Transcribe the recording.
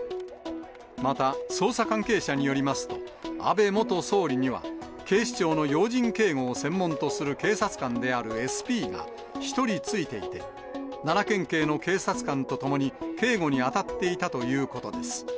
また捜査関係者によりますと、安倍元総理には、警視庁の要人警護を専門とする警察官であるＳＰが１人付いていて、奈良県警の警察官と共に、警護に当たっていたということです。